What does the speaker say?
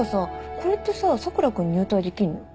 これってさ佐倉君入隊できんの？